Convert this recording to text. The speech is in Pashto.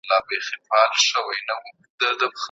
دوی به په ټولنه کي عدالت پلي کړي.